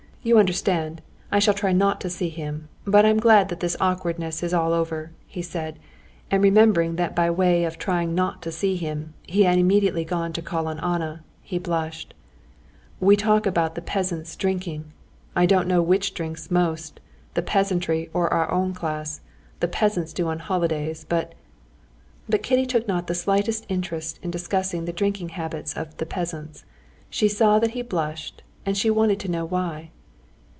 You understand, I shall try not to see him, but I'm glad that this awkwardness is all over," he said, and remembering that by way of trying not to see him, he had immediately gone to call on Anna, he blushed. "We talk about the peasants drinking; I don't know which drinks most, the peasantry or our own class; the peasants do on holidays, but...." But Kitty took not the slightest interest in discussing the drinking habits of the peasants. She saw that he blushed, and she wanted to know why.